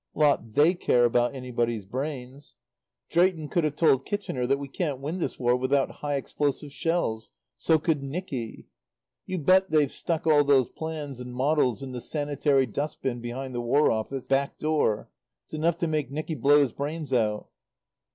"Lot they care about anybody's brains. Drayton could have told Kitchener that we can't win this war without high explosive shells. So could Nicky. "You bet they've stuck all those plans and models in the sanitary dust bin behind the War Office back door. It's enough to make Nicky blow his brains out."